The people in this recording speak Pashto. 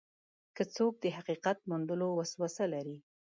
که څوک د حقیقت موندلو وسوسه لري.